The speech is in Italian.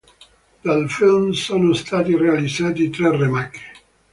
Del film sono stati realizzati tre remake.